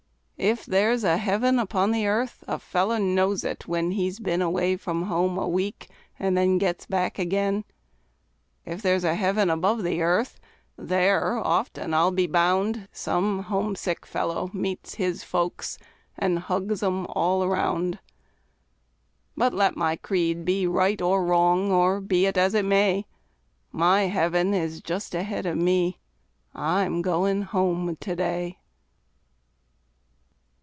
If there's a heaven upon the earth, a fellow knows it when He's been away from home a week, and then gets back again. If there's a heaven above the earth, there often, I'll be bound, Some homesick fellow meets his folks, and hugs 'em all around. But let my creed be right or wrong, or be it as it may, My heaven is just ahead of me I'm going home to day.